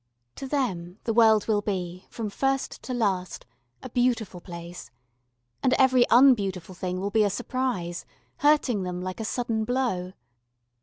To them the world will be, from first to last, a beautiful place, and every unbeautiful thing will be a surprise, hurting them like a sudden blow.